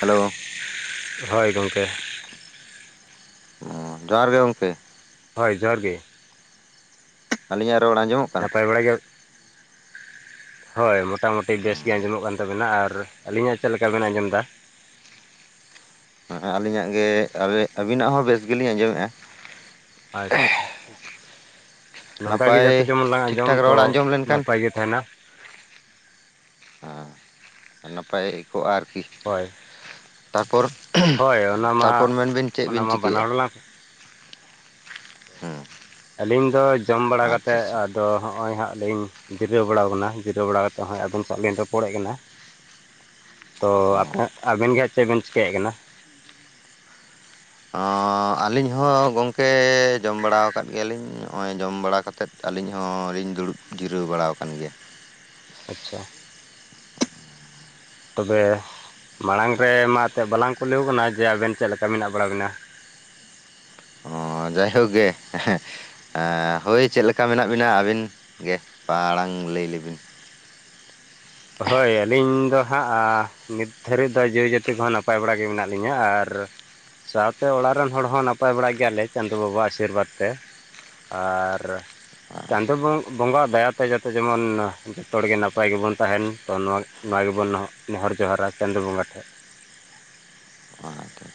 Hello ᱦᱳᱭ ᱜᱚᱝᱠᱮ ᱚ ᱡᱚᱦᱟᱨ ᱜᱮ ᱜᱚᱝᱠᱮ ᱦᱳᱭ ᱡᱚᱦᱟᱨ ᱜᱤ ᱟᱹᱞᱤᱧᱟᱜ ᱨᱚᱲ ᱟᱡᱚᱢᱚᱜ ᱱᱟᱯᱟᱭ ᱵᱟᱲᱟ ᱜᱮᱭᱟᱯ ᱦᱳᱭ ᱢᱳᱴᱟᱢᱩᱴᱤ ᱵᱮᱥ ᱜᱮ ᱟᱸᱡᱚᱢᱚᱜ ᱠᱟᱱ ᱛᱟᱵᱮᱱᱟ ᱟᱨ ᱟᱹᱞᱤᱧᱟᱜ ᱪᱮᱫᱞᱮᱠᱟ ᱵᱮᱱ ᱟᱸᱡᱚᱢᱫᱟ ᱟᱹᱞᱤᱧᱟᱜ ᱜᱮ ᱟᱹᱵᱤᱱ ᱟᱹᱵᱤᱱᱟᱜ ᱦᱚᱸ ᱵᱮᱥ ᱜᱮᱞᱤᱧ ᱟᱸᱡᱚᱢᱮᱜᱼᱟ ᱟᱪᱪᱷᱟ ᱱᱚᱝᱠᱟ ᱜᱮ ᱡᱟᱛᱮ ᱱᱟᱯᱟᱭ ᱡᱚᱢᱟ ᱡᱚᱢᱛᱚ ᱱᱟᱯᱟᱭ ᱜᱮ ᱛᱟᱦᱮᱱᱟ ᱟᱸ ᱱᱟᱯᱟᱭ ᱠᱚᱜ-ᱟ ᱟᱨᱠᱤ ᱦᱳᱭ ᱛᱟᱨᱯᱚᱨ ᱦᱳᱭ ᱚᱱᱟ ᱢᱟ ᱛᱟᱨᱯᱚᱨ ᱢᱮᱱᱵᱤᱱ ᱚᱱᱟ ᱪᱮᱫᱵᱤᱱ ᱢᱟ ᱵᱟᱱᱟ ᱪᱤᱠᱟᱹᱭᱟ ᱦᱚᱲ ᱞᱟᱝ ᱦᱮᱸ ᱟᱹᱞᱤᱧ ᱫᱚ ᱡᱚᱢ ᱵᱟᱲᱟ ᱠᱟᱛᱮ ᱟᱪᱪᱷᱟ ᱟᱪᱪᱷᱟ ᱟᱛ ᱫᱚ ᱦᱚᱜ-ᱚᱭ ᱦᱟᱸᱜ ᱞᱤᱧ ᱡᱤᱨᱟᱹᱣ ᱵᱟᱲᱟᱣ ᱟᱠᱟᱱᱟ ᱡᱤᱨᱟᱹᱣ ᱵᱟᱲᱟ ᱠᱟᱛᱮ ᱦᱟᱸᱜ ᱟᱹᱵᱤᱱ ᱥᱟᱶ ᱞᱤᱧ ᱨᱚᱯᱚᱲᱮᱫ ᱠᱟᱱᱟ [inaudible] ᱛᱚ ᱟᱯᱦᱟᱜ ᱟᱵᱮᱱ ᱜᱮᱦᱟᱸᱜ ᱪᱮᱫ ᱵᱮᱱ ᱪᱤᱠᱟᱹᱭ ᱠᱟᱱᱟ ᱚᱻ ᱟᱹᱞᱤᱧ ᱦᱚᱸ ᱜᱚᱝᱠᱮ ᱡᱚᱢ ᱵᱟᱲᱟ ᱟᱠᱟᱫ ᱜᱮᱭᱟᱞᱤᱧ ᱱᱚᱜ-ᱚᱭ ᱡᱚᱢ ᱵᱟᱲᱟ ᱠᱟᱛᱮᱫ ᱟᱹᱞᱤᱧ ᱦᱚᱸᱞᱤᱧ ᱫᱩᱲᱩᱵ ᱡᱤᱨᱟᱹᱣ ᱵᱟᱲᱟ ᱟᱠᱟᱱ ᱜᱮᱭᱟ ᱟᱪᱪᱷᱟ ᱛᱚᱵᱮ ᱢᱟᱲᱟᱝ ᱨᱮ ᱢᱟ ᱮᱛᱮᱫ ᱵᱟᱞᱟᱝ ᱠᱩᱞᱤᱣ ᱟᱠᱟᱱᱟ ᱡᱮ ᱟᱵᱮᱱ ᱪᱮᱫ ᱞᱮᱠᱟ ᱢᱮᱱᱟᱜ ᱵᱟᱲᱟ ᱵᱮᱱᱟ ᱚ ᱡᱟᱭᱦᱳᱠ ᱜᱮ ᱦᱳᱭ ᱪᱮᱫ ᱞᱮᱠᱟ ᱢᱮᱱᱟᱜ ᱵᱤᱱᱟ ᱟᱹᱵᱤᱱ ᱜᱮ ᱢᱟᱲᱟᱝ ᱞᱟᱹᱭ ᱞᱮᱵᱤᱱ ᱦᱳᱭ ᱟᱹᱞᱤᱧ ᱫᱚ ᱦᱟᱸᱜ ᱱᱤᱛ ᱫᱷᱟᱹᱨᱤᱡ ᱫᱚ ᱡᱤᱣᱤ ᱡᱟᱹᱛᱤ ᱠᱚᱦᱚᱸ ᱱᱟᱯᱟᱭ ᱵᱟᱲᱟ ᱜᱮ ᱢᱮᱱᱟᱜ ᱞᱤᱧᱟ ᱟᱨ ᱥᱟᱶᱛᱮ ᱚᱲᱟᱜ ᱨᱮᱱ ᱦᱚᱲ ᱦᱚᱸ ᱱᱟᱯᱟᱭ ᱵᱟᱲᱟ ᱜᱮᱭᱟᱞᱮ ᱪᱟᱸᱫᱚ ᱵᱟᱵᱟ ᱟᱜ ᱟᱥᱤᱨᱵᱟᱫᱽ ᱛᱮ ᱟᱨ ᱪᱟᱸᱫᱚ ᱵᱚᱸᱜᱟ ᱟᱜ ᱫᱟᱭᱟ ᱛᱮ ᱡᱟᱛᱮ ᱡᱮᱢᱚᱱ ᱡᱷᱚᱛᱚ ᱦᱚᱲ ᱜᱮ ᱱᱟᱯᱟᱭ ᱜᱮᱵᱚᱱ ᱛᱟᱦᱮᱱ ᱛᱚ ᱱᱚᱣᱟ ᱱᱚᱣᱟ ᱜᱮᱵᱚᱱ ᱱᱮᱦᱚᱨ ᱡᱚᱦᱟᱨᱟ ᱪᱟᱸᱫᱚ ᱵᱚᱸᱜᱟ ᱴᱷᱮᱱ ᱟᱪᱪᱷᱟ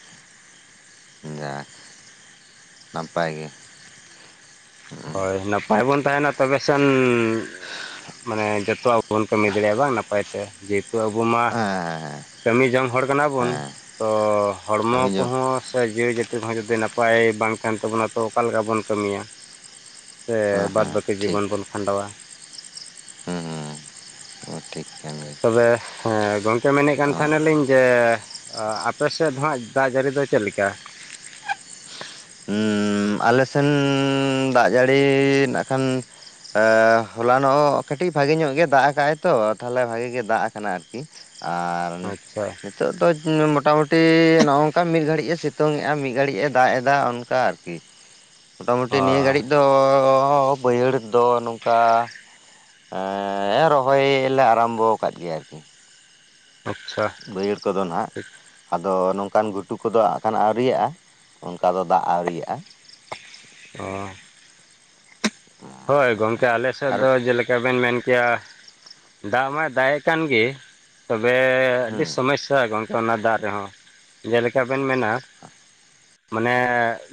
ᱡᱟᱠ ᱱᱟᱯᱟᱭ ᱜᱮ ᱦᱳᱭ ᱱᱟᱯᱟᱭ ᱵᱚᱱ ᱛᱟᱦᱮᱱᱟ ᱛᱚᱵᱮ ᱥᱮᱱ ᱢᱟᱱᱮ ᱡᱚᱛᱚ ᱟᱵᱚ ᱵᱚᱱ ᱠᱟᱹᱢᱤ ᱫᱟᱲᱮᱭᱟᱜ-ᱟ ᱵᱟᱝ ᱱᱟᱯᱟᱭ ᱛᱮ ᱡᱮᱦᱮᱛᱩ ᱟᱵᱚ ᱢᱟ ᱦᱮᱸ ᱦᱮᱸ ᱠᱟᱹᱢᱤ ᱡᱚᱝ ᱦᱚᱲ ᱠᱟᱱᱟ ᱵᱚᱱ ᱦᱮᱸ ᱛᱚ ᱦᱚᱲᱢᱚ ᱠᱟᱹᱢᱤ ᱡᱚᱝ ᱠᱚᱦᱚᱸ ᱥᱮ ᱡᱤᱣᱤ ᱡᱟᱹᱛᱤ ᱠᱚᱦᱚᱸ ᱡᱩᱫᱤ ᱱᱟᱯᱟᱭ ᱵᱟᱝ ᱛᱟᱦᱮᱱ ᱛᱟᱵᱚᱱᱟ ᱛᱚ ᱚᱠᱟ ᱞᱮ‌ᱠᱟ ᱵᱚᱱ ᱠᱟᱹᱢᱤᱭᱟ ᱥᱮ ᱦᱮᱸ ᱵᱟᱫᱽ ᱦᱮᱸ ᱵᱟᱹᱠᱤ ᱴᱷᱤᱠ ᱡᱤᱵᱚᱱ ᱵᱚᱱ ᱠᱷᱟᱸᱰᱟᱣᱟ ᱦᱩᱸ ᱦᱩᱸ ᱴᱷᱤᱠ ᱠᱟᱱ ᱜᱮᱭᱟ ᱛᱚᱵᱮ ᱦᱮᱸ ᱜᱚᱢᱠᱮ ᱢᱮᱱᱮᱫ ᱠᱟᱱ ᱛᱟᱦᱮᱱᱟ ᱞᱤᱧ ᱡᱮ ᱚ ᱟᱯᱮ ᱥᱮᱫ ᱫᱚ ᱦᱟᱜ ᱫᱟᱜ ᱡᱟᱹᱲᱤ ᱫᱚ ᱪᱮᱫ ᱞᱮᱠᱟ ᱦᱩᱸ ᱦᱩᱸ ᱟᱞᱮ ᱥᱮᱱ ᱫᱟᱜ ᱡᱟᱹᱲᱤ ᱱᱟᱜ ᱠᱷᱟᱱ ᱦᱚᱞᱟᱱᱚᱜ ᱠᱟᱹᱴᱤᱡ ᱵᱷᱟᱜᱤ ᱧᱚᱜ ᱜᱮ ᱫᱟᱜ ᱟᱠᱟᱜ ᱟᱭ ᱛᱚ ᱛᱟᱦᱞᱮ ᱵᱷᱟᱜᱤ ᱜᱮ ᱫᱟᱜ ᱠᱟᱱᱟ ᱟᱨᱠᱤ ᱟᱨ ᱟᱪᱪᱷᱟ ᱱᱤᱛᱚᱜ ᱫᱚ ᱢᱚᱴᱟᱢᱩᱴᱤ ᱱᱚᱜ-ᱚ ᱱᱚᱝᱠᱟ ᱢᱤᱫ ᱜᱷᱟᱹᱲᱤᱡ ᱮ ᱥᱤᱛᱩᱝ ᱮᱫᱟ ᱢᱤᱫ ᱜᱷᱟᱹᱲᱤᱡ ᱮ ᱫᱟᱜ ᱮᱫᱟ ᱚᱱᱠᱟ ᱟᱨᱠᱤ ᱟᱨᱠᱤ ᱢᱳᱴᱟᱢᱩᱴᱤ ᱱᱤᱭᱟᱹ ᱚ ᱜᱷᱟᱹᱲᱤᱡ ᱫᱚ ᱵᱟᱹᱭᱦᱟᱹᱲ ᱫᱚ ᱱᱚᱝᱠᱟ ᱮᱻ ᱨᱚᱦᱚᱭ ᱞᱮ ᱟᱨᱟᱢᱵᱚ ᱟᱠᱟᱫ ᱜᱮᱭᱟ ᱟᱨᱠᱤ ᱟᱪᱪᱷᱟ ᱵᱟᱹᱭᱦᱟᱹᱲ ᱠᱚᱫᱚ ᱱᱟᱦᱟᱜ ᱴᱷᱤᱠ ᱟᱫᱚ ᱱᱚᱝᱠᱟᱱ ᱜᱷᱩᱴᱩ ᱠᱚᱫᱚ ᱦᱟᱜ ᱠᱷᱟᱱ ᱟᱣᱨᱤᱭᱟᱜ-ᱟ ᱚᱱᱠᱟ ᱫᱚ ᱫᱟᱜ ᱟᱣᱨᱤᱭᱟᱜ-ᱟ ᱚ ᱦᱳᱭ ᱜᱚᱝᱠᱮ ᱟᱞᱮ ᱥᱮᱫ ᱟᱨ ᱫᱚ ᱡᱮᱞᱮᱠᱟ ᱵᱮᱱ ᱢᱮᱱ ᱠᱮᱭᱟ ᱫᱟᱜ ᱢᱟᱭ ᱫᱟᱜ ᱮᱫ ᱠᱟᱱ ᱜᱮ ᱛᱚᱵᱮ ᱟᱹᱰᱤ ᱦᱩᱸ ᱥᱚᱢᱚᱭᱥᱟ ᱜᱚᱝ ᱚᱱᱟ ᱫᱟᱜ ᱨᱮᱦᱚᱸ ᱡᱮᱞᱮᱠᱟ ᱵᱮᱱ ᱢᱮᱱᱟ ᱢᱟᱱᱮ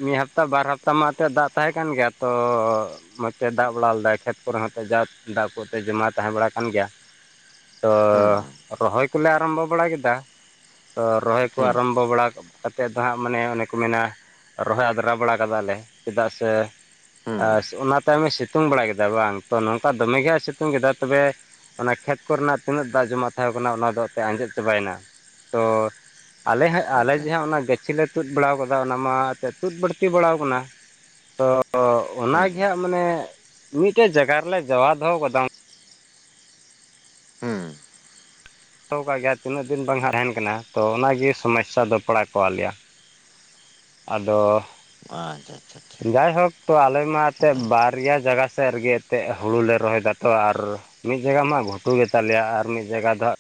ᱢᱤᱫ ᱦᱟᱯᱛᱟ ᱵᱟᱨ ᱦᱟᱯᱛᱟ ᱢᱟ ᱮᱛᱮᱜ ᱫᱟᱜ ᱛᱟᱦᱮᱸ ᱠᱟᱱ ᱜᱮᱭᱟ ᱛᱚ ᱢᱚᱡᱽ ᱛᱮ ᱫᱟᱜ ᱵᱟᱲᱟ ᱞᱮᱫᱟᱭ ᱠᱷᱮᱛ ᱠᱚᱨᱮ ᱦᱚᱸ ᱡᱟ ᱫᱟᱜ ᱠᱚᱛᱮ ᱡᱚᱢᱟ ᱛᱟᱦᱮᱸ ᱵᱟᱲᱟ ᱠᱟᱱ ᱜᱮᱭᱟ ᱾ ᱛᱚ ᱦᱩᱸ ᱨᱚᱦᱚᱭ ᱠᱚᱞᱮ ᱟᱨᱚᱢᱵᱚ ᱵᱟᱲᱟ ᱠᱮᱫᱟ ᱛᱚ ᱨᱚᱦᱚᱭ ᱠᱚ ᱦᱩᱸ ᱟᱨᱚᱢᱵᱚ ᱵᱟᱲᱟ ᱠᱟᱛᱮᱜ ᱫᱚ ᱦᱟᱸᱜ ᱢᱟᱱᱮ ᱚᱱᱮ ᱠᱚ ᱢᱮᱱᱟ ᱨᱚᱦᱚᱭ ᱟᱫᱽᱨᱟ ᱵᱟᱲᱟ ᱠᱟᱫᱟ ᱞᱮ ᱪᱮᱫᱟᱜ ᱥᱮ ᱮ ᱦᱩᱸ ᱚᱱᱟ ᱛᱟᱭᱚᱢᱮ ᱥᱤᱛᱩᱝ ᱵᱟᱲᱟ ᱠᱮᱫᱟ ᱵᱟᱝ ᱛᱚ ᱱᱚᱝᱠᱟ ᱫᱚᱢᱮ ᱜᱮ ᱦᱟᱜ ᱮ ᱥᱤᱛᱩᱝ ᱠᱮᱫᱟ ᱛᱚᱵᱮ ᱚᱱᱟ ᱠᱷᱮᱛ ᱠᱚᱨᱮᱱᱟᱜ ᱛᱤᱱᱟᱹᱜ ᱫᱟᱜ ᱡᱚᱢᱟᱜ ᱛᱟᱸᱦᱮᱣ ᱠᱟᱱᱟ ᱚᱱᱟ ᱫᱚ ᱮᱛᱮᱜ ᱟᱸᱡᱮᱫ ᱪᱟᱵᱟᱭᱮᱱᱟ ᱛᱚ ᱟᱞᱮ ᱦᱟᱸᱜ ᱟᱞᱮ ᱟᱪᱪᱷᱟ ᱡᱮ ᱦᱟᱸᱜ ᱚᱱᱟ ᱜᱟᱹᱪᱷᱤ ᱞᱮ ᱛᱩᱫ ᱵᱟᱲ ᱟᱠᱟᱫᱟ ᱚᱱᱟ ᱢᱟ ᱮᱛᱮᱜ ᱛᱩᱫ ᱵᱟᱹᱲᱛᱤ ᱵᱟᱲᱟᱣ ᱟᱠᱟᱱᱟ ᱛᱚ ᱚᱱᱟ ᱦᱩᱸ ᱜᱮ ᱦᱟᱜ ᱢᱟᱱᱮ ᱢᱤᱫᱴᱮᱡ ᱡᱟᱜᱟ ᱨᱮᱞᱮ ᱡᱟᱣᱟ ᱫᱚᱦᱚ ᱟᱠᱟᱫᱟ ᱦᱩᱸ ᱯᱷᱚᱴᱚ ᱠᱟᱜ ᱜᱮᱭᱟ ᱛᱤᱱᱟᱹᱜ ᱫᱤᱱ ᱵᱟᱝ ᱦᱟᱸᱜ ᱛᱟᱦᱮᱱ ᱠᱟᱱᱟ ᱛᱚ ᱚᱱᱟ ᱜᱮ ᱥᱚᱢᱚᱭᱥᱟ ᱫᱚ ᱯᱟᱲᱟᱣ ᱠᱟᱣᱟᱜ ᱞᱮᱭᱟ ᱟᱫᱚ ᱟᱪᱪᱷᱟ ᱟᱪᱪᱷᱟ ᱡᱟᱭ ᱦᱳᱠ ᱛᱚ ᱟᱞᱮ ᱢᱟ ᱮᱛᱮᱜ ᱵᱟᱨᱭᱟ ᱡᱟᱜᱟ ᱥᱮᱫ ᱨᱮᱜᱮ ᱮᱛᱮᱜ ᱦᱩᱲᱩ ᱞᱮ ᱨᱚᱦᱚᱭ ᱮᱫᱟ ᱛᱚ ᱟᱨ ᱢᱤᱫ ᱡᱟᱭᱜᱟ ᱢᱟ ᱜᱷᱩᱴᱩ ᱜᱮ ᱛᱟᱞᱮᱭᱟ ᱟᱨ ᱢᱤᱫ ᱡᱟᱭᱜᱟ ᱫᱚ ᱦᱟᱜ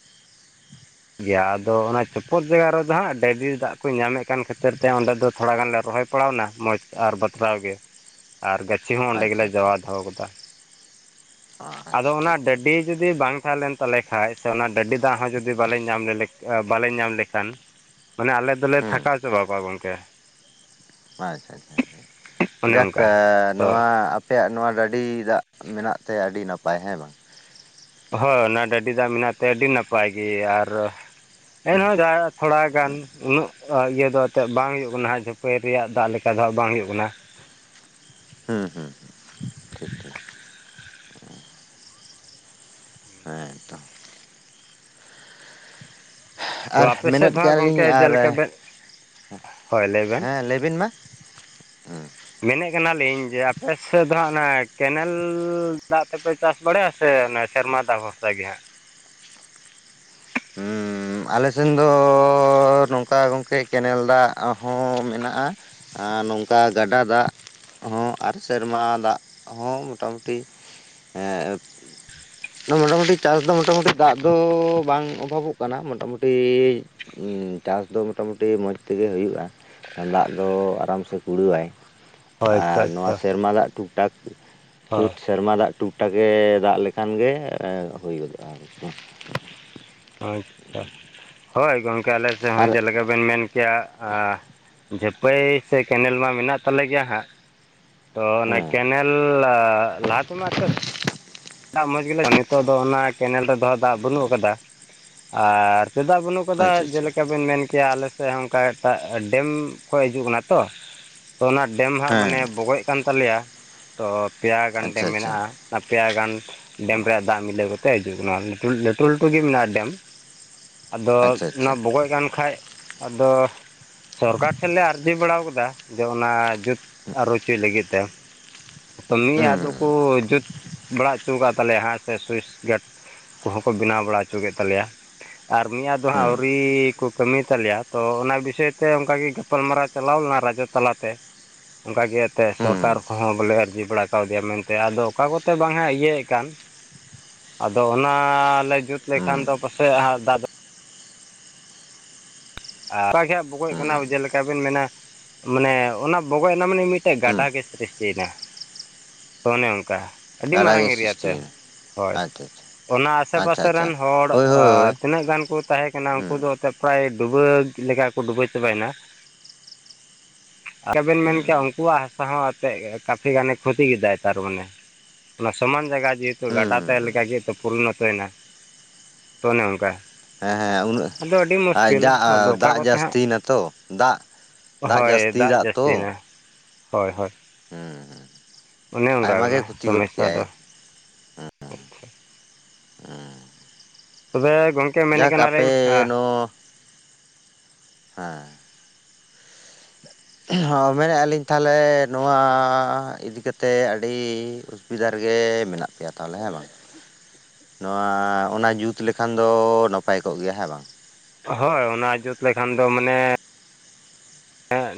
ᱜᱮᱭᱟ ᱟᱫᱚ ᱚᱱᱟ ᱪᱚᱯᱚᱫ ᱡᱟᱭᱜᱟ ᱨᱮᱫᱚ ᱦᱟᱸᱜ ᱰᱟᱹᱵᱤ ᱫᱟᱜ ᱠᱚ ᱧᱟᱢᱮᱫ ᱠᱟᱱ ᱠᱷᱟᱹᱛᱤᱨ ᱛᱮ ᱚᱸᱰᱮ ᱫᱚ ᱛᱷᱚᱲᱟ ᱜᱟᱱ ᱞᱮ ᱨᱚᱦᱚᱭ ᱥᱟᱯᱲᱟᱣ ᱱᱟ ᱢᱚᱡᱽ ᱟᱨ ᱵᱟᱛᱨᱟᱣ ᱜᱮ ᱾ [unintelligible] ᱟᱨ ᱜᱟᱹᱪᱷᱤ ᱦᱚᱸ ᱚᱸᱰᱮ ᱜᱮᱞᱮ ᱟᱪᱪᱷᱟ ᱟᱪᱪᱷᱟ ᱟᱪᱪᱷᱟ ᱡᱟᱣᱟ ᱫᱚᱦᱚᱣ ᱠᱟᱫᱟ, ᱟᱪᱪᱷᱟ ᱟᱫᱚ ᱚᱱᱟ ᱴᱷᱤᱠ ᱴᱷᱤᱠ ᱰᱟᱹᱰᱤᱼᱼ ᱡᱩᱫᱤ ᱵᱟᱝ ᱛᱟᱦᱮᱸ ᱞᱮᱱ ᱛᱟᱞᱮ ᱠᱷᱟᱡ, ᱥᱮ ᱚᱱᱟ ᱰᱟᱹᱰᱤ ᱫᱟᱜ ᱦᱚᱸ ᱡᱩᱫᱤ ᱵᱟᱞᱮ ᱧᱟᱢ ᱞᱮᱞᱮ ᱟᱹ ᱵᱟᱞᱮ ᱧᱟᱢ ᱞᱮᱠᱷᱟᱱᱼᱼ ᱢᱟᱱᱮ ᱟᱞᱮ ᱫᱚᱞᱮ ᱦᱩᱸ ᱛᱷᱟᱠᱟᱣ ᱪᱟᱵᱟ ᱠᱚᱜᱼᱟ ᱜᱚᱝᱠᱮ ᱾ ᱟᱪᱪᱷᱟ ᱟᱪᱪᱷᱟ ᱟᱪᱪᱷᱟ, ᱚᱱᱮ ᱪᱮᱫᱟᱜ ᱚᱱᱠᱟ ᱥᱮ ᱛᱚ ᱱᱚᱣᱟᱼᱼ ᱟᱯᱮᱭᱟᱜ ᱱᱚᱣᱟ ᱰᱟᱹᱰᱤ ᱫᱟᱜ ᱢᱮᱱᱟᱜ ᱛᱮ ᱟᱹᱰᱤ ᱱᱟᱯᱟᱭ ᱦᱮᱸ ᱵᱟᱝ ᱾ ᱦᱳᱭ ᱚᱱᱟ ᱰᱟᱹᱰᱤ ᱫᱟᱜ ᱢᱮᱱᱟᱜ ᱛᱮ ᱟᱹᱰᱤ ᱱᱟᱯᱟᱭ ᱜᱮ, ᱟᱨᱼᱼ ᱮᱱᱦᱚᱸ ᱡᱟ ᱛᱷᱚᱲᱟ ᱜᱟᱱ ᱩᱱᱟᱹᱜ ᱤᱭᱟᱹ ᱫᱚ ᱮᱱᱛᱮᱫ ᱵᱟᱝ ᱦᱩᱭᱩᱜ ᱠᱟᱱᱟ ᱟᱡ ᱦᱚᱸᱼᱼ ᱡᱷᱟᱹᱯᱟᱹᱭ ᱨᱮᱭᱟᱜ ᱫᱟᱜ ᱞᱮᱠᱟ ᱫᱚ ᱦᱟᱸᱜ ᱵᱟᱝ ᱦᱩᱭᱩᱜ ᱠᱟᱱᱟ ᱾ ᱦᱩᱸ ᱦᱩᱸ ᱾ ᱦᱮᱸ ᱛᱚ ᱛᱚ ᱟᱨ ᱟᱯᱮ ᱥᱮᱫ ᱢᱮᱱᱮᱫ ᱫᱚ ᱦᱟᱸᱜ ᱠᱮᱭᱟᱞᱤᱧ ᱜᱚᱢᱠᱮ ᱟᱨᱼᱼ ᱡᱮᱞᱮᱠᱟ ᱵᱮᱱ ᱦᱳᱭ ᱞᱟᱹᱭ ᱵᱮᱱᱼᱼ ᱦᱩ [unintelligible] ᱢᱮᱱᱮᱜ ᱠᱟᱱᱟᱞᱤᱧ ᱡᱮ ᱟᱯᱮ ᱥᱮᱫ ᱫᱚ ᱦᱟᱸᱜ ᱚᱱᱟ ᱠᱮᱱᱮᱞᱻ ᱫᱟᱜ ᱛᱮᱼᱼ [inaudible] ᱯᱮ ᱪᱟᱥ ᱵᱟᱲᱟᱭᱟ ᱥᱮ ᱚᱱᱮ ᱥᱮᱨᱢᱟ ᱫᱟᱜ ᱵᱷᱚᱨᱥᱟ ᱜᱮ ᱦᱟᱸᱜᱼᱼ ᱦᱩᱸ ᱦᱩᱸ, ᱟᱞᱮ ᱥᱮᱱ ᱫᱚᱻ ᱱᱚᱝᱠᱟ ᱜᱚᱝᱠᱮ ᱠᱮᱱᱮᱞ ᱫᱟᱜ ᱦᱚᱸ ᱢᱮᱱᱟᱜᱼᱟ ᱾ ᱟᱨ ᱱᱚᱝᱠᱟ ᱜᱟᱰᱟ ᱫᱟᱜᱼᱼ ᱦᱚᱸ ᱟᱨ ᱥᱮᱨᱢᱟ ᱫᱟᱜ ᱦᱚᱸ ᱢᱳᱴᱟᱢᱩᱴᱤ ᱮᱸᱜᱼᱼ ᱢᱚᱴᱟᱢᱩᱴᱤ [unintelligible] ᱪᱟᱥ ᱫᱚ ᱢᱚᱴᱟᱢᱩᱴᱤ ᱫᱟᱜ ᱫᱚ ᱵᱟᱝ ᱚᱵᱷᱟᱵᱚᱜᱼᱼ ᱚᱱᱟᱦ [unintelligible] ᱢᱚᱴᱟᱢᱩᱴᱤ ᱩᱸ ᱪᱟᱥ ᱫᱚ ᱢᱚᱴᱟᱢᱩᱴᱤ ᱢᱚᱡᱽ ᱛᱮᱜᱮ ᱦᱩᱭᱩᱜᱼᱟ᱾ ᱫᱟᱜ ᱫᱚ ᱟᱨᱟᱢ ᱥᱮ ᱠᱩᱲᱟᱹᱣᱟᱭ ᱾ ᱦᱳᱭ ᱟᱪᱪᱷᱟ ᱟᱨ ᱱᱚᱣᱟ ᱟᱪᱪᱷᱟ ᱥᱮᱨᱢᱟ ᱫᱟᱜ ᱴᱩᱠᱼ ᱴᱟᱠ, ᱥᱩᱫᱽᱼᱼ ᱦᱳᱭ ᱥᱮᱨᱢᱟ ᱫᱟᱜ ᱴᱩᱠᱴᱟᱠᱮ ᱫᱟᱜ ᱞᱮᱠᱷᱟᱱ ᱜᱮ ᱮ ᱦᱩᱭ ᱜᱚᱫᱚᱜᱼᱟ ᱟᱨᱠᱤ ᱾ ᱟᱪᱪᱷᱟ, ᱦᱳᱭ ᱜᱚᱝᱠᱮ ᱟᱞᱮ ᱥᱮᱫ ᱟᱨ ᱦᱚᱸ ᱡᱮᱞᱮᱠᱟᱼᱼ ᱵᱮᱱ ᱢᱮᱱ ᱠᱮᱭᱟ ᱟᱸ ᱡᱷᱟᱹᱯᱟᱹᱭ ᱥᱮ ᱠᱮᱱᱮᱞ ᱢᱟ ᱢᱮᱱᱟᱜ ᱛᱟᱞᱮ ᱜᱮᱭᱟ ᱦᱟᱸᱜᱼᱼ ᱛᱚ ᱚᱱᱟ ᱦᱮᱸ ᱠᱮᱱᱮᱞᱻ ᱞᱟᱦᱟ ᱛᱮᱢᱟ ᱮᱱᱛᱮᱫ [unintelligible] ᱫᱟᱜ ᱢᱚᱡᱽ ᱜᱮᱞᱮ ᱱᱤᱛᱚᱜ ᱫᱚ ᱚᱱᱟ ᱠᱮᱱᱮᱞ ᱨᱮᱫᱚ ᱦᱟᱸᱜ ᱫᱟᱜ ᱵᱟᱹᱱᱩᱜ ᱟᱠᱟᱫᱟ ᱾ ᱟᱨᱼᱼ ᱪᱮᱫᱟᱜ ᱵᱟᱹᱱᱩᱜ ᱠᱟᱫᱟ ᱟᱪᱪᱷᱟ ᱟᱪᱪᱷᱟ ᱡᱮᱞᱮᱠᱟᱼᱼ ᱵᱮᱱ ᱢᱮᱱ ᱠᱮᱜᱼᱟ ᱟᱞᱮ ᱥᱮᱫ ᱦᱚᱸ ᱚᱱᱠᱟ ᱮᱴᱟᱜ ᱰᱮᱢ ᱠᱷᱚᱡ ᱦᱤᱡᱩᱜ ᱠᱟᱱᱟ ᱛᱚ ᱾ ᱛᱚ ᱚᱱᱟ ᱰᱮᱢ ᱦᱟᱸᱜ ᱦᱮᱸ ᱢᱟᱱᱮ ᱵᱚᱜᱚᱡ ᱠᱟᱱ ᱛᱟᱞᱮᱭᱟ, ᱛᱚ ᱯᱮᱭᱟ ᱜᱟᱱ ᱰᱮᱢ ᱟᱪᱪᱷᱟ ᱟᱪᱪᱷᱟ ᱢᱮᱱᱟᱜᱼᱟ ᱾ ᱱᱟ [unintelligible] ᱯᱮᱭᱟ ᱜᱟᱱ ᱾ ᱰᱮᱢ ᱨᱮᱭᱟᱜ ᱫᱟᱜ ᱢᱤᱞᱟᱹᱣ ᱠᱟᱛᱮᱜ ᱦᱤᱡᱩᱜ ᱠᱟᱱᱟ, ᱞᱟᱹᱴᱩ ᱞᱟᱹᱴᱩ ᱜᱮ ᱢᱮᱱᱟᱜᱼᱟ ᱾ ᱰᱮᱢ ᱟᱫᱚ ᱟᱪᱪᱷᱟ ᱚᱱᱟ ᱟᱪᱪᱷᱟ ᱵᱚᱜᱚᱡ ᱠᱟᱱ ᱠᱷᱟᱡ, ᱟᱫᱚᱼᱼ ᱥᱚᱨᱠᱟᱨ ᱴᱷᱮᱱ ᱞᱮ ᱟᱨᱡᱤ ᱵᱟᱲᱟᱣ ᱠᱟᱫᱟ ᱡᱮ ᱚᱱᱟ ᱡᱩᱛ ᱟᱹᱨᱩ ᱦᱚᱪᱚᱭ ᱞᱟᱹᱜᱤᱫ ᱛᱮ ᱾ ᱢᱤᱫ ᱟᱫᱚ ᱦᱩᱸ ᱠᱩ ᱡᱩᱛ ᱵᱟᱲᱟ ᱦᱚᱪᱚ ᱠᱟᱫ ᱛᱟᱞᱮᱭᱟ ᱦᱟᱸᱜ ᱥᱮ ᱥᱩᱭᱤᱥ ᱜᱮᱴ ᱾ ᱠᱚᱦᱚᱸ ᱠᱚ ᱵᱮᱱᱟᱣ ᱵᱟᱲᱟ ᱦᱚᱪᱚ ᱠᱮᱫ ᱛᱟᱞᱮᱭᱟ ᱾ ᱟᱨ ᱢᱤᱭᱟ [unintelligible] ᱫᱚ ᱦᱟᱸᱜ ᱦᱩᱸ ᱟᱹᱣᱨᱤ ᱠᱚ ᱠᱟᱹᱢᱤ ᱛᱟᱞᱮᱭᱟ ᱛᱚ ᱚᱱᱟ ᱵᱤᱥᱚᱭ ᱛᱮ ᱚᱱᱠᱟᱜᱮ ᱜᱟᱯᱟᱞ ᱢᱟᱨᱟᱣᱼᱼ ᱪᱟᱞᱟᱣ ᱞᱮᱱᱟ ᱨᱟᱡᱚ ᱛᱟᱞᱟᱛᱮ ᱾ ᱚᱱᱠᱟ ᱜᱮ ᱮᱱᱛᱮᱫ ᱦᱩᱸ ᱥᱚᱨᱠᱟᱨ ᱠᱚᱦᱚᱸ ᱵᱚᱞᱮ ᱟᱨᱡᱤ ᱵᱟᱲᱟ ᱠᱟᱣᱫᱮᱭᱟ ᱢᱮᱱᱛᱮ ᱟᱫᱚ ᱚᱠᱟ ᱠᱚᱛᱮ ᱵᱟᱝ ᱦᱟᱸᱜ ᱮᱭ ᱤᱭᱟᱹᱭᱼᱼ ᱠᱟᱱ, ᱟᱫᱚ ᱚᱱᱟ ᱞᱮ ᱡᱩᱛ ᱞᱮᱠᱷᱟᱱ ᱦᱩᱸ ᱫᱚ ᱯᱟᱥᱮᱡ ᱦᱟᱸᱜ ᱫᱟᱜ ᱫᱚᱼᱼ ᱟᱨᱟ [unintelligible] ᱜᱮ ᱵᱚᱜᱚᱡ ᱠᱟᱱᱟ ᱦᱩᱸ ᱪᱮᱫ ᱞᱮᱠᱟ ᱵᱮᱱ ᱢᱮᱱᱟᱼᱼ ᱢᱟᱱᱮ ᱚᱱᱟ ᱵᱚᱜᱚᱡ ᱮᱱᱟ ᱢᱟᱱᱮ ᱢᱤᱫᱴᱮᱡ ᱦᱩᱸ ᱜᱟᱰᱟ ᱜᱮ ᱥᱨᱤᱥᱴᱤᱭᱮᱱᱟ ᱾ ᱛᱚ ᱚᱱᱮ ᱚᱱᱠᱟ, ᱟᱹᱰᱤ ᱜᱟᱰᱟ ᱢᱟᱨᱟᱝ ᱜᱮ ᱮᱨᱤᱭᱟ ᱛᱮ ᱥᱨᱤᱥᱴᱤᱭᱮᱱᱟ ᱾ ᱦᱳᱭ, ᱟᱪᱪᱷᱟ ᱚᱱᱟ ᱟᱥᱮ ᱟᱪᱪᱷᱟ ᱟᱪᱪᱷᱟ ᱟᱪᱪᱷᱟ ᱯᱟᱥᱮᱨᱮᱱ ᱦᱚᱲ ᱦᱳᱭ ᱚ ᱦᱳᱭ ᱛᱤᱱᱟᱹᱜ ᱜᱟᱱ ᱠᱚᱼᱼ ᱛᱟᱦᱮᱸ ᱠᱟᱱᱟ ᱩᱱᱠᱩ ᱦᱩᱸ ᱫᱚ ᱮᱱᱛᱮᱫ ᱯᱨᱟᱭ ᱰᱩᱵᱟᱹᱣ ᱞᱮᱠᱟ ᱠᱚ ᱰᱩᱵᱟᱹᱣ ᱪᱟᱵᱟᱭᱮᱱᱟ ᱾ [unintelligible] ᱟᱨ ᱵᱮᱱ ᱦᱩᱸ ᱢᱮᱱᱠᱮᱭᱟ ᱩᱱᱠᱩᱣᱟᱜ ᱦᱟᱥᱟ ᱦᱚᱸ ᱮᱱᱛᱮ ᱮ ᱠᱟᱯᱷᱤ ᱜᱟᱱᱮ ᱠᱷᱚᱛᱤ ᱠᱮᱫᱟᱭ ᱛᱟᱨᱢᱟᱱᱮ ᱾ ᱚᱱᱟ ᱥᱚᱢᱟᱱ ᱡᱟᱭᱜᱟ ᱡᱮᱦᱮᱛᱩ ᱦᱩᱸ ᱜᱟᱰᱟ ᱛᱟᱦᱮᱸ ᱦᱩᱸ ᱞᱮᱠᱟ ᱜᱮ ᱛᱚ ᱯᱚᱨᱤᱱᱚᱛᱚᱭᱮᱱᱟ᱾ ᱛᱚ ᱚᱱᱮ ᱚᱱᱠᱟ ᱦᱮᱸ ᱦᱮᱸ ᱟᱫᱚ ᱟᱹᱰᱤ ᱢᱩᱥᱠᱤᱞ ᱟᱫᱚ ᱩᱱᱟᱹᱜ ᱚᱠᱟ ᱫᱟᱜ ᱠᱚᱛᱮ ᱦᱟᱸᱜ ᱡᱟᱹᱥᱛᱤ ᱱᱟᱛᱚ ᱫᱟᱜ ᱫᱟᱜ ᱡᱟᱹᱥᱛᱤ ᱫᱟᱜ ᱛᱚ ᱦᱚᱭ ᱦᱚᱭ ᱦᱩᱸ ᱚᱱᱮ ᱚᱱᱠᱟ ᱟᱭᱢᱟ ᱠᱟᱱᱟ ᱜᱮ ᱠᱷᱚᱛᱤ ᱜᱚᱫ ᱥᱚᱢᱚᱥᱥᱟ ᱫᱚ [inaudible] ᱟᱻ ᱛᱚᱵᱮ ᱮᱠ ᱡᱟᱠ ᱟᱯᱮ ᱱᱚᱜ ᱦᱮᱸ ᱦᱚᱸ ᱢᱮᱱᱮᱫᱼᱟ ᱞᱤᱧ ᱛᱟᱦᱚᱞᱮ ᱱᱚᱣᱟ ᱤᱫᱤ ᱠᱟᱛᱮᱫ ᱟᱹᱰᱤ ᱚᱥᱩᱵᱤᱫᱟ ᱨᱮᱜᱮ ᱢᱮᱱᱟᱜ ᱯᱮᱭᱟ ᱛᱟᱦᱚᱞᱮ ᱦᱮᱸ ᱵᱟᱝ ᱱᱚᱣᱟ ᱚᱱᱟ ᱡᱩᱛ ᱞᱮᱠᱷᱟᱱ ᱫᱚ ᱱᱟᱯᱟᱭ ᱠᱚᱜ ᱜᱮᱭᱟ ᱦᱮᱸ ᱵᱟᱝ ᱦᱚᱭ ᱚᱱᱟ ᱡᱩᱛ ᱞᱮᱠᱷᱟᱱ ᱫᱚ ᱢᱟᱱᱮ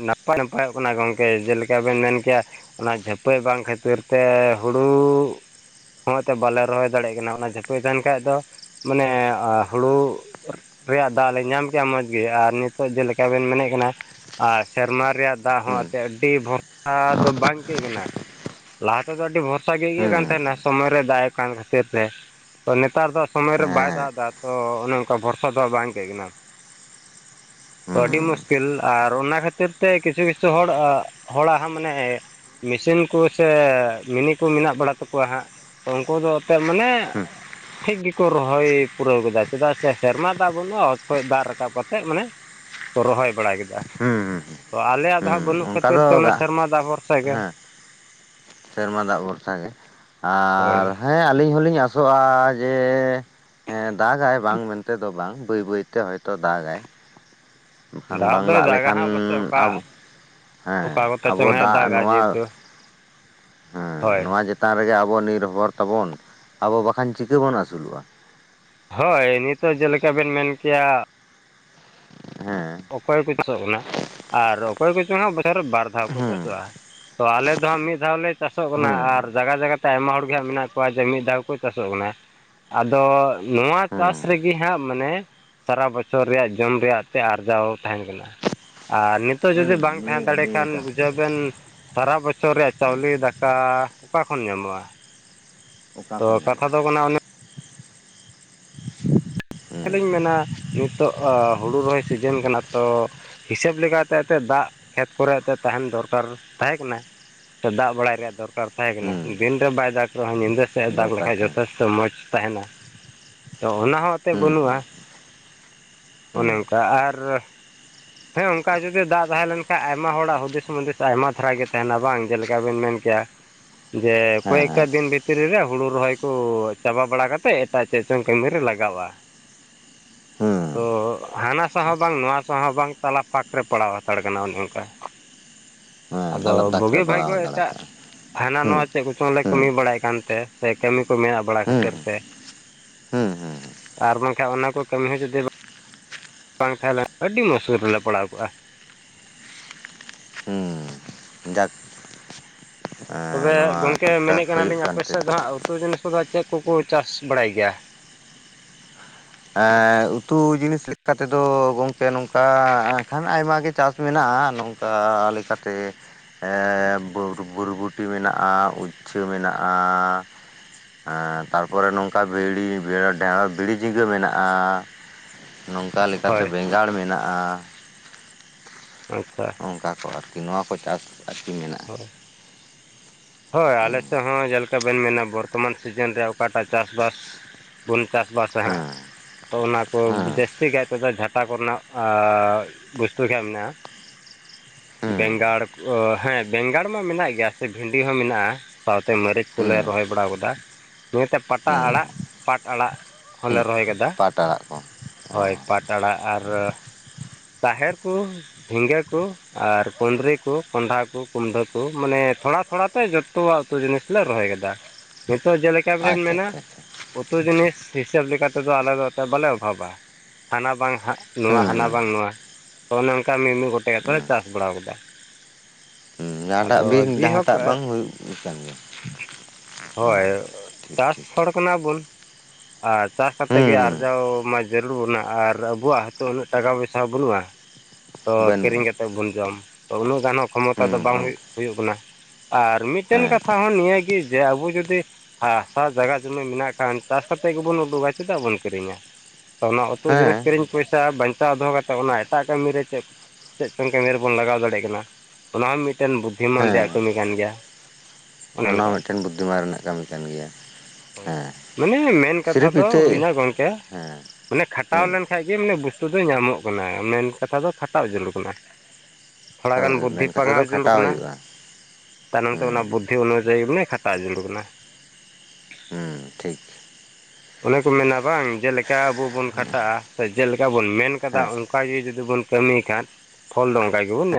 ᱱᱟᱯᱟᱭ ᱱᱟᱯᱟᱭᱚᱜ ᱠᱟᱱᱟ ᱜᱚᱢᱠᱮ ᱡᱮᱞᱮᱠᱟ ᱵᱮᱱ ᱢᱮᱱ ᱠᱮᱜᱼᱟ ᱚᱱᱟ ᱡᱷᱟᱹᱯᱟᱹᱭ ᱵᱟᱝ ᱠᱷᱟᱹᱛᱤᱨ ᱛᱮ ᱦᱩᱲᱩ [unintelligible] ᱵᱟᱞᱮ ᱨᱚᱦᱚᱭ ᱫᱟᱲᱮᱭᱟᱜ ᱠᱟᱱᱟ ᱚᱱᱟ ᱡᱷᱟᱹᱯᱟᱹᱭ ᱛᱟᱦᱮᱱ ᱠᱷᱟᱡ ᱫᱚ ᱢᱟᱱᱮ ᱦᱩᱲᱩ ᱨᱮᱭᱟᱜ ᱫᱟᱜ ᱞᱮ ᱧᱟᱢ ᱠᱮᱭᱟ ᱢᱚᱡᱽ ᱜᱮ ᱟᱨ ᱱᱤᱛᱚᱜ ᱡᱮᱞᱮᱠᱟ ᱵᱮᱱ ᱢᱮᱱᱮᱫ ᱠᱟᱱᱟ ᱟᱨ ᱥᱮᱨᱢᱟ ᱨᱮᱭᱟᱜ ᱫᱟᱜ ᱦᱚᱸ ᱦᱩᱸ ᱮᱛᱮ ᱟᱹᱰᱤ ᱵᱷᱚᱨᱥᱟ ᱫᱚ ᱵᱟᱝ ᱟᱹᱭᱠᱟᱹᱜ ᱠᱟᱱᱟ ᱞᱟᱦᱟ ᱛᱮᱫᱚ ᱟᱹᱰᱤ ᱵᱷᱚᱨᱥᱟ ᱜᱮ ᱤᱭᱟᱹᱟᱹᱜ ᱦᱩᱸ ᱠᱟᱱ ᱛᱟᱦᱮᱱᱟ ᱥᱚᱢᱚᱭ ᱨᱮ ᱫᱟᱜ ᱮ ᱠᱟᱱ ᱠᱷᱟᱹᱛᱤᱨ ᱛᱮ ᱛᱚ ᱱᱮᱛᱟᱨ ᱫᱚ ᱥᱚᱢᱚᱭ ᱨᱮ ᱵᱟᱭ ᱦᱮᱸ ᱫᱟᱜ ᱫᱟ ᱛᱚ ᱚᱱᱮ ᱚᱱᱠᱟ ᱵᱷᱚᱨᱥᱟ ᱫᱚ ᱵᱟᱝ ᱟᱹᱭᱠᱟᱹᱜ ᱠᱟᱱᱟ ᱛᱚ ᱟᱹᱰᱤ ᱦᱩᱸ ᱢᱩᱥᱠᱤᱞ ᱟᱨ ᱟᱨ ᱚᱱᱟ ᱠᱷᱟᱹᱛᱤᱨ ᱛᱮ ᱠᱤᱪᱷᱩ ᱠᱤᱪᱷᱩ ᱦᱚᱲ ᱦᱚᱲᱟᱜ ᱦᱚᱸ ᱢᱟᱱᱮ ᱢᱤᱥᱤᱱ ᱠᱚ ᱥᱮ ᱢᱤᱱᱤ ᱠᱚ ᱢᱮᱱᱟᱜ ᱵᱟᱲᱟ ᱛᱟᱠᱚᱣᱟ ᱦᱟᱸᱜ ᱩᱱᱠᱩ ᱫᱚ ᱚᱛᱮ ᱢᱟᱱᱮ ᱦᱩᱸ ᱴᱷᱤᱠ ᱜᱮᱠᱚ ᱨᱚᱦᱚᱭ ᱯᱩᱨᱟᱹᱣ ᱠᱮᱫᱟ ᱪᱮᱫᱟᱜ ᱥᱮ ᱥᱮᱨᱢᱟ ᱫᱟᱜ ᱵᱟᱹᱱᱩᱜᱼᱟ ᱚᱛ ᱠᱷᱚᱡ ᱫᱟᱜ ᱨᱟᱠᱟᱵ ᱠᱟᱛᱮᱫ ᱢᱟᱱᱮ ᱨᱚᱦᱚᱭ ᱵᱟᱲᱟ ᱠᱮᱫᱟ ᱦᱩᱸ ᱦᱩᱸ ᱦᱩᱸ ᱛᱚ ᱟᱞᱮᱭᱟᱜ ᱫᱚ ᱦᱟᱸᱜ ᱵᱟᱹᱱᱩᱜ ᱚᱱᱠᱟ ᱠᱷᱟᱹᱛᱤᱨ ᱫᱚ ᱛᱮ ᱚᱱᱟ ᱥᱮᱨᱢᱟ ᱫᱟᱜ ᱵᱷᱚᱨᱥᱟ ᱜᱮ ᱦᱮᱸ ᱥᱮᱨᱢᱟ ᱫᱟᱜ ᱵᱷᱚᱨᱥᱟᱜᱮ ᱦᱳᱭ ᱟᱨ ᱦᱮᱸ ᱟᱹᱞᱤᱧ ᱦᱚᱞᱤᱧ ᱟᱥᱚᱜᱼᱟ ᱡᱮ ᱦᱮᱸ ᱫᱟᱜᱟᱭ ᱵᱟᱝ ᱢᱮᱱᱛᱮ ᱫᱚ ᱵᱟᱝ ᱵᱟᱹᱭ ᱵᱟᱹᱭᱛᱮ ᱦᱚᱭᱛᱚ ᱫᱟᱜᱟᱭ ᱵᱟᱠᱷᱟᱱ ᱵᱟᱝ ᱫᱚᱭ ᱫᱟᱜ ᱫᱟᱜᱟ ᱞᱮᱠᱷᱟᱱ ᱦᱟᱸᱜ ᱯᱟᱥᱮᱡ ᱚᱠᱟ ᱟᱵᱚ ᱦᱮᱸ ᱚᱠᱟ ᱠᱚᱛᱮ ᱟᱵᱚ ᱪᱚᱝ ᱦᱟᱸᱜ ᱫᱟᱜ ᱫᱟᱜᱟ ᱱᱚᱣᱟ ᱡᱮᱦᱮᱛᱩ ᱦᱮᱸ ᱦᱳᱭ ᱱᱚᱣᱟ ᱪᱮᱛᱟᱱ ᱨᱮᱜᱮ ᱟᱵᱚ ᱱᱤᱨᱵᱷᱚᱨ ᱛᱟᱵᱚᱱ ᱟᱵᱚ ᱵᱟᱠᱷᱟᱱ ᱪᱤᱠᱟᱹ ᱵᱚᱱ ᱟᱹᱥᱩᱞᱚᱜᱼᱟ ᱦᱚᱭ ᱱᱤᱛᱚᱜ ᱡᱮᱞᱮᱠᱟ ᱵᱤᱱ ᱢᱮᱱ ᱠᱮᱭᱟ ᱦᱮᱸ ᱚᱠᱚᱭ ᱠᱚ ᱪᱟᱥᱚᱜ ᱠᱟᱱᱟ ᱟᱨ ᱚᱠᱚᱭ ᱠᱚᱪᱚᱝ ᱵᱚᱪᱷᱚᱨ ᱵᱟᱨ ᱫᱷᱟᱣ ᱠᱚ ᱦᱩᱸ ᱪᱟᱥᱚᱜᱼᱟ ᱛᱚ ᱟᱞᱮ ᱫᱚ ᱦᱟᱸᱜ ᱢᱤᱫ ᱫᱷᱟᱣ ᱞᱮ ᱪᱟᱥᱚᱜ ᱠᱟᱱᱟ ᱦᱩᱸ ᱟᱨ ᱡᱟᱜᱟ ᱡᱟᱜᱟ ᱛᱮ ᱟᱭᱢᱟ ᱦᱚᱲ ᱜᱮ ᱦᱟᱸᱜ ᱢᱮᱱᱟᱜ ᱠᱚᱣᱟ ᱡᱮ ᱢᱤᱫ ᱫᱷᱟᱣ ᱪᱟᱥᱚᱜ ᱠᱟᱱᱟ ᱟᱫᱚ ᱱᱚᱣᱟ ᱪᱟᱥ ᱦᱩᱸ ᱨᱮᱜᱮ ᱦᱟᱸᱜ ᱢᱟᱱᱮ ᱥᱟᱨᱟ ᱵᱚᱪᱷᱚᱨ ᱨᱮᱭᱟᱜ ᱡᱚᱢ ᱨᱮᱭᱟᱜ ᱛᱮ ᱟᱨ ᱟᱨᱡᱟᱣ ᱛᱟᱦᱮᱱ ᱠᱟᱱᱟ ᱟᱨ ᱱᱤᱛᱚᱜ ᱦᱩᱸ ᱡᱩᱫᱤ ᱵᱟᱝ ᱛᱟᱦᱮᱸ ᱱᱤᱭᱟᱹ ᱫᱟᱲᱮ ᱱᱤᱭᱟᱹ ᱠᱷᱟᱱ ᱪᱟᱥ ᱵᱩᱡᱷᱟᱹᱣ ᱛᱮᱜᱮ ᱵᱮᱱ ᱥᱟᱨᱟ ᱵᱚᱪᱷᱚᱨ ᱨᱮᱭᱟᱜ ᱪᱟᱣᱞᱮ ᱫᱟᱠᱟ ᱚᱠᱟ ᱠᱷᱚᱱ ᱧᱟᱢᱚᱜᱼᱟ ᱚᱠᱟ ᱛᱚ ᱠᱷᱚᱱ ᱠᱟᱛᱷᱟ ᱧᱟᱢᱚᱜᱼᱟ ᱫᱚ ᱠᱟᱱᱟ ᱚᱱᱮ ᱦᱩᱸ ᱟᱫᱚᱧ ᱢᱮᱱᱟ ᱱᱤᱛᱚᱜ ᱦᱩᱲᱩ ᱨᱚᱦᱚᱭ ᱥᱤᱡᱮᱱ ᱠᱟᱱᱟ ᱛᱚ ᱦᱤᱥᱟᱹᱵ ᱞᱮᱠᱟᱛᱮ ᱮᱛᱮᱫ ᱫᱟᱜ ᱠᱷᱮᱛ ᱠᱚᱨᱮ ᱮᱛᱮᱫ ᱛᱟᱦᱮᱱ ᱫᱚᱨᱠᱟᱨ ᱛᱟᱦᱮᱸ ᱠᱟᱱᱟ ᱫᱟᱜ ᱵᱟᱲᱟᱭ ᱨᱮᱭᱟᱜ ᱫᱚᱨᱠᱟᱨ ᱛᱟᱦᱮᱸ ᱠᱟᱱᱟ ᱦᱩᱸ ᱫᱤᱱᱨᱮ ᱵᱟᱭ ᱫᱟᱜᱽ ᱨᱮᱦᱚᱸ ᱧᱤᱫᱟᱹ [inaudible] ᱫᱟᱜᱽ ᱫᱚᱨᱠᱟᱨ ᱞᱮᱠᱷᱟᱡ ᱛᱟᱦᱮᱸ ᱡᱚᱛᱷᱮᱥᱛᱚ ᱢᱚᱡᱽ ᱛᱟᱦᱮᱱᱟ ᱛᱚ ᱚᱱᱟ ᱦᱚᱸ ᱮᱱᱛᱮᱫ ᱦᱩᱸ ᱵᱟᱹᱱᱩᱜᱼᱟ ᱦᱩᱸ ᱚᱱᱮ ᱦᱩᱸ ᱚᱱᱠᱟ ᱟᱨ ᱦᱮᱸ ᱚᱱᱠᱟ ᱡᱩᱫᱤ ᱫᱟᱜ ᱛᱟᱦᱮ ᱞᱮᱱᱠᱷᱟᱱ ᱟᱭᱢᱟ ᱦᱚᱲᱟᱜ ᱦᱩᱫᱤᱥ ᱢᱩᱫᱤᱥ ᱟᱭᱢᱟ ᱫᱷᱟᱨᱟ ᱜᱮ ᱛᱟᱦᱮᱱᱟ ᱵᱟᱝ ᱡᱮᱞᱮᱠᱟ ᱵᱤᱱ ᱢᱮᱱ ᱡᱮ ᱦᱮᱸ ᱠᱚᱭᱮᱠᱟ ᱦᱮᱸ ᱫᱤᱱ ᱵᱷᱤᱛᱨᱤ ᱨᱮ ᱦᱩᱲᱩ ᱨᱚᱦᱚᱭ ᱠᱚ ᱪᱟᱵᱟ ᱵᱟᱲᱟ ᱠᱟᱛᱮᱫ [inaudible] ᱪᱚᱝ ᱠᱟᱹᱢᱤ ᱨᱮ ᱞᱟᱜᱟᱣᱟ ᱦᱩᱸ ᱛᱚ ᱦᱟᱱᱟ ᱥᱟᱶ ᱦᱚᱸ ᱵᱟᱝ ᱱᱚᱣᱟ ᱥᱟᱶ ᱦᱚᱸ ᱵᱟᱝ ᱛᱟᱞᱟ ᱯᱷᱟᱠ ᱨᱮ ᱯᱟᱲᱟᱣ ᱦᱟᱛᱟᱲ ᱠᱟᱱᱟ ᱚᱱᱮ ᱚᱱᱠᱟ [unintelligible] ᱟᱫᱚ ᱫᱟᱜᱽ ᱵᱩᱜᱤ ᱨᱮ ᱵᱷᱟᱭᱜᱳ ᱯᱟᱲᱟᱣ ᱫᱟᱲᱮ ᱮᱴᱟᱜ ᱠᱟᱜᱼᱟ ᱦᱟᱱᱟ ᱦᱩᱸ ᱱᱚᱣᱟ ᱯᱮ ᱵᱚᱪᱷᱚᱨ ᱞᱮ ᱦᱩᱸ ᱠᱟᱹᱢᱤ ᱵᱟᱲᱟᱭᱮᱫ ᱠᱟᱱ ᱛᱟᱦᱮ ᱥᱮ ᱠᱟᱹᱢᱤ ᱠᱚ ᱢᱮᱱᱟᱜ ᱵᱟᱲᱟ ᱦᱩᱸ ᱠᱷᱟᱹᱛᱤᱨ ᱛᱮ ᱦᱩᱸ ᱦᱩᱸ ᱟᱨ ᱵᱟᱝᱠᱷᱟᱱ ᱚᱱᱟ ᱠᱚ ᱠᱟᱹᱢᱤ ᱦᱚᱸ ᱡᱩᱫᱤ ᱵᱟᱝ ᱵᱟᱝ ᱛᱟᱦᱮᱸ ᱞᱮᱱ ᱟᱹᱰᱤ ᱢᱩᱥᱠᱤᱞ ᱨᱮᱞᱮ ᱯᱟᱲᱟᱣ ᱠᱚᱜᱼᱟ᱾ ᱦᱩᱸ ᱡᱟᱠ ᱛᱚᱵᱮ ᱱᱚᱣᱟ ᱜᱚᱝᱠᱮ ᱴᱩᱠ ᱴᱟᱠ ᱢᱮᱱᱮᱫ ᱦᱩᱭᱩᱜ ᱠᱟᱱᱟᱞᱤᱧ ᱟᱯᱮ ᱠᱟᱱᱛᱮ ᱥᱮᱫ ᱫᱚ ᱦᱟᱸᱜ ᱩᱛᱩ ᱡᱤᱱᱤᱥ ᱠᱚᱫᱚ ᱪᱮᱫ ᱠᱚ ᱠᱚ ᱪᱟᱥ ᱵᱟᱲᱟᱭ ᱜᱮᱭᱟ ᱮᱻᱻ ᱩᱛᱩ ᱡᱤᱱᱤᱥ ᱞᱮᱠᱟᱛᱮ ᱫᱚ ᱜᱚᱝᱠᱮ ᱱᱚᱝᱠᱟ ᱟᱠᱷᱟᱱ ᱟᱭᱢᱟ ᱜᱮ ᱪᱟᱥ ᱢᱮᱱᱟᱜᱼᱟ ᱱᱚᱝᱠᱟ ᱞᱮᱠᱟᱛᱮ ᱮᱻᱻᱵᱩᱨ ᱵᱨᱵᱩᱴᱤ ᱢᱮᱱᱟᱜᱼᱟ ᱩᱪᱪᱷᱟᱹ ᱢᱮᱱᱟᱜᱼᱟ ᱟᱸᱻᱛᱟᱨᱯᱚᱨᱮ ᱱᱚᱝᱠᱟ ᱵᱷᱤᱲᱤ ᱵᱦᱮᱸᱨᱳ ᱰᱷᱮᱨᱚᱥ ᱵᱷᱤᱲᱤ ᱡᱤᱝ ᱜᱟ. ᱢᱮᱱᱟᱜᱼᱟ ᱱᱚᱝᱠᱟ ᱞᱮᱠᱟᱛᱮ ᱦᱳᱭ ᱵᱮᱸᱜᱟᱲ ᱢᱮᱱᱟᱜᱼᱟ ᱚᱪᱪᱷᱟ ᱚᱝᱠᱟ ᱠᱚ ᱟᱨᱠᱤ ᱱᱚᱣᱟ ᱠᱚ ᱪᱟᱥ ᱟᱨᱠᱤ ᱢᱮᱱᱟᱜᱼᱟ [unintelligible] ᱦᱳᱭ ᱦᱮᱸ ᱟᱞᱮᱥᱮᱫ ᱦᱚᱸ ᱡᱮᱞᱮᱠᱟ ᱵᱮᱱ ᱢᱮᱱᱟ ᱵᱚᱨᱛᱚᱢᱟᱱ ᱥᱤᱡᱤᱱ ᱨᱮ ᱚᱠᱟᱴᱟᱜ ᱪᱟᱥᱵᱟᱥ ᱵᱩᱱ ᱪᱟᱥᱵᱟᱥᱟ ᱦᱟᱸᱜ ᱦᱮᱸ ᱛᱚ ᱚᱱᱟᱠᱚ ᱦᱮᱸ ᱡᱟᱹᱥᱛᱤ ᱠᱟᱭ ᱛᱮᱫᱚ ᱡᱷᱟᱴᱟ ᱠᱚ ᱨᱮᱱᱟᱜ ᱟᱻᱻᱜ ᱵᱚᱥᱛᱩ ᱠᱷᱮ ᱢᱮᱱᱟᱜᱼᱟ ᱦᱮᱸ ᱵᱮᱸᱜᱟᱲ ᱠᱚ ᱦᱮᱸ ᱵᱮᱸᱜᱟᱲ ᱢᱟ ᱢᱮᱱᱟᱜ ᱜᱮᱭᱟ ᱥᱮ ᱵᱷᱤ ᱰᱤ ᱦᱚᱸ ᱢᱮᱱᱟᱜᱼᱟ ᱥᱟᱶᱛᱮ ᱢᱟᱹᱨᱤᱪ ᱠᱚᱞᱮ ᱦᱮᱸ ᱨᱚᱦᱚᱭ ᱵᱟᱲᱟᱣ ᱠᱟᱣᱫᱟ ᱛᱚ ᱮᱱᱛᱮ ᱯᱟᱴᱟ ᱦᱮᱸ ᱟᱲᱟᱜ ᱯᱟᱴ ᱟᱲᱟᱜ ᱦᱚᱞᱮ ᱦᱮᱸ ᱨᱚᱦᱚᱭ ᱠᱟᱫᱟ ᱯᱟᱴ ᱟᱲᱟᱜ ᱠᱚ ᱚ ᱦᱚᱭ ᱯᱟᱴ ᱟᱲᱟᱜ ᱟᱨ ᱛᱟᱦᱮᱨ ᱠᱩ ᱡᱷᱤᱸᱜᱟᱹ ᱠᱩ ᱟᱨ ᱠᱩᱸᱫᱽᱨᱤ ᱠᱩ ᱠᱚᱸᱰᱷᱟ ᱠᱚ ᱠᱩᱢᱰᱟᱹ ᱠᱚ ᱢᱟᱱᱮ ᱛᱷᱚᱲᱟ ᱛᱷᱚᱲᱟ ᱡᱚᱛᱚᱣᱟᱜ ᱩᱛᱩ ᱡᱤᱱᱤᱥ ᱞᱮ ᱨᱚᱦᱚᱭ ᱠᱮᱫᱟ ᱡᱷᱚ ᱛᱚ ᱡᱮᱞᱮᱠᱟ ᱵᱮᱱ ᱟᱪᱪᱷᱟ ᱢᱮᱱᱟ ᱟᱪᱪᱷᱟ ᱟᱪᱪᱷᱟ ᱩᱛᱩ ᱡᱤᱱᱤᱥ ᱦᱤᱥᱟᱹᱵ ᱞᱮᱠᱟ ᱛᱮᱫᱚ ᱟᱞᱮ ᱫᱚ ᱛᱚᱵᱟᱞᱮ ᱚᱵᱷᱟᱵᱟ ᱦᱟᱱᱟ ᱵᱟᱝ ᱦᱟᱸᱜ ᱱᱚᱣᱟ ᱦᱮᱸ ᱦᱟᱱᱟ ᱦᱮᱸ ᱵᱟᱝ ᱱᱚᱣᱟ ᱚᱱᱮ ᱚᱝᱠᱟ ᱢᱤᱢᱤᱫ ᱜᱚᱴᱮᱡ ᱟᱛᱮ ᱦᱮᱸ ᱪᱟᱥ ᱵᱟᱲᱟ ᱠᱟᱣᱫᱟ ᱦᱮᱸ ᱡᱟᱦᱟᱸᱴᱟᱜ ᱟᱫᱚ ᱵᱤᱱ ᱡᱮᱦᱳᱠ ᱡᱟᱦᱟᱸᱴᱟᱜ ᱵᱟᱝ ᱦᱩᱭᱩᱜ ᱠᱟᱱ ᱜᱮᱭᱟ ᱟᱪᱪᱷᱟ ᱦᱚᱭ ᱴᱷᱤᱠ ᱪᱟᱥ ᱴᱷᱤᱠ ᱦᱚᱲ ᱴᱷᱤᱠ ᱠᱟᱱᱟᱵᱚᱱ ᱟᱨ ᱪᱟᱥ ᱠᱟᱛᱮᱫ ᱜᱮ ᱦᱮᱸ ᱟᱨᱡᱟᱣ ᱢᱟ ᱡᱟᱹᱨᱩᱲ ᱵᱚᱱᱟ ᱟᱨ ᱟᱵᱚᱣᱟᱜ ᱦᱤᱛᱚᱜ ᱢᱤᱫ ᱴᱟᱠᱟ ᱯᱚᱭᱥᱟ ᱦᱚᱸ ᱵᱟᱹᱱᱩᱜᱼᱟ ᱛᱚ ᱦᱮᱸ ᱵᱟᱹᱱᱩᱜᱼᱟ ᱠᱤᱨᱤᱧ ᱠᱟᱛᱮᱜ ᱵᱚᱱ ᱡᱚᱢ ᱛᱚ ᱩᱱᱟᱹᱜ ᱜᱟᱱ ᱦᱚᱸ ᱠᱷᱚᱢᱚᱛᱟ ᱦᱮᱸ ᱫᱚ ᱵᱟᱝ ᱦᱩᱭᱩᱜ ᱠᱟᱱᱟ ᱟᱨ ᱢᱤᱫᱴᱮᱱ ᱦᱮᱸ ᱠᱟᱛᱷᱟ ᱦᱚᱸ ᱱᱤᱭᱟᱹᱜᱮ ᱡᱮ ᱟᱵᱚ ᱡᱩᱫᱤ ᱦᱟ ᱦᱟᱥᱟ ᱡᱟᱭᱜᱟ ᱡᱩᱢᱤᱱ ᱢᱮᱱᱟᱜ ᱠᱷᱟᱱ ᱪᱟᱥ ᱠᱟᱛᱮᱫ ᱜᱮᱵᱚᱱ ᱩᱰᱩᱠᱟ ᱪᱮᱫᱟᱜ ᱵᱚᱱ ᱠᱤᱨᱤᱧᱟ ᱛᱚ ᱚᱱᱟ ᱩᱛᱩ ᱦᱮᱸ ᱡᱤᱱᱤᱥ ᱠᱤᱨᱤᱧ ᱯᱚᱭᱥᱟ ᱵᱟᱧᱪᱟᱣ ᱫᱚᱦᱚ ᱠᱟᱛᱮᱫ ᱚᱱᱟ ᱮᱴᱟᱜ ᱠᱟᱹᱢᱤ ᱨᱮ ᱪᱮᱫ ᱛᱮᱫ ᱠᱟᱱ ᱠᱟᱹᱢᱤ ᱨᱮᱵᱚᱱ ᱞᱟᱜᱟᱣ ᱫᱟᱲᱮᱭᱟᱜ ᱠᱟᱱᱟ ᱚᱱᱟ ᱦᱚᱸ ᱢᱤᱫᱴᱮᱱ ᱵᱩᱫᱽᱫᱷᱤᱢᱟᱱ ᱦᱮᱸ ᱨᱮᱭᱟᱜ ᱠᱟᱹᱢᱤ ᱠᱟᱱ ᱜᱮᱭᱟ ᱚᱱᱮ ᱚᱱᱟ ᱦᱚᱸ ᱚᱱᱠᱟ ᱢᱤᱫᱴᱮᱱ ᱵᱩᱫᱽᱫᱷᱤᱢᱟᱱ ᱨᱮᱱᱟᱜ ᱠᱟᱹᱢᱤ ᱠᱟᱱ ᱜᱮᱭᱟ ᱦᱳᱭ ᱦᱮᱸ ᱢᱟᱱᱮ ᱢᱮᱱ ᱠᱟᱛᱷᱟ ᱥᱤᱨᱤᱯ ᱫᱚ ᱤᱛᱟᱹ ᱦᱩᱭᱱᱟ ᱜᱚᱝᱠᱮ ᱦᱮᱸ ᱢᱟᱱᱮ ᱠᱷᱟᱴᱟᱣ ᱦᱮᱸ ᱞᱮᱱᱠᱷᱟᱱ ᱜᱮ ᱵᱩᱥᱛᱩ ᱫᱚ ᱧᱟᱢᱚᱜ ᱠᱟᱱᱟ ᱢᱮᱱ ᱠᱟᱛᱷᱟ ᱫᱚ ᱠᱷᱟᱴᱟᱣ ᱡᱟᱹᱨᱩᱲ ᱠᱟᱱᱟ ᱦᱳᱭ ᱛᱷᱚᱲᱟᱜᱟᱱ ᱦᱳᱭ ᱵᱩᱫᱽᱫᱷᱤ ᱢᱮᱱ ᱠᱟᱛᱷᱟ ᱫᱚ ᱯᱟᱸᱜᱟᱣ ᱡᱩᱲᱩᱨ ᱠᱷᱟᱴᱟᱣ ᱠᱟᱱᱟ ᱦᱩᱭᱩᱜᱼᱟ ᱛᱟᱭᱱᱚᱢ ᱛᱮ ᱚᱱᱟ ᱦᱮᱸ ᱵᱩᱫᱽ ᱛᱷᱤ ᱚᱱᱩᱡᱟᱭᱤ ᱢᱟᱱᱮ ᱠᱷᱟᱴᱟᱣ ᱡᱩᱲᱩᱨ ᱠᱟᱱᱟ ᱦᱩᱸ ᱴᱷᱤᱠ ᱚᱱᱮ ᱠᱚ ᱢᱮᱱᱟ ᱵᱟᱝ ᱡᱮᱞᱮᱠᱟ ᱟᱵᱚ ᱵᱚᱱ ᱠᱷᱟᱴᱟᱜᱼᱟ ᱥᱮ ᱡᱮᱞ ᱪᱮᱠᱟ ᱵᱚᱱ ᱢᱮᱱ ᱠᱟᱫᱟ ᱦᱮᱸ ᱚᱱᱠᱟᱜᱮ ᱡᱩᱫᱤ ᱵᱚᱱ ᱠᱟᱹᱢᱤ ᱠᱷᱟᱱ ᱯᱷᱚᱞ ᱫᱚ ᱚᱱᱠᱟ ᱜᱮᱵᱚᱱ ᱧᱟᱢ